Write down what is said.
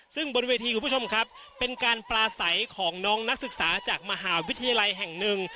ซึ่งบนเวทีคุณผู้ชมครับเป็นการปลาใสของน้องนักศึกษาจากมหาวิทยาลัยแห่งหนึ่ง